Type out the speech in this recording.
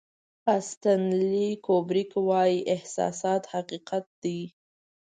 استنلي کوبریک وایي احساسات حقیقت دی.